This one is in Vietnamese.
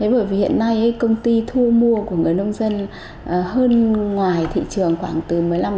bởi vì hiện nay công ty thu mua của người nông dân hơn ngoài thị trường khoảng từ một mươi năm